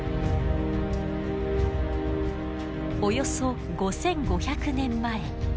およそ５，５００年前。